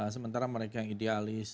sementara mereka yang idealis